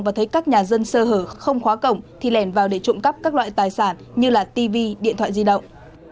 và thấy các nhà dân sơ hở không khóa cổng thì lẻn vào để trộm cắp các loại tài sản như tv điện thoại di động